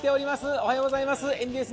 おはようございます。